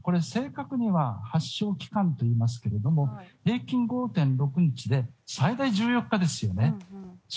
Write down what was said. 正確には発症期間といいますけど平均５．６日で最大１４日ですよね。